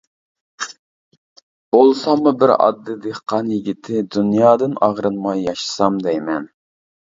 بولساممۇ بىر ئاددىي دېھقان يىگىتى، دۇنيادىن ئاغرىنماي ياشىسام دەيمەن.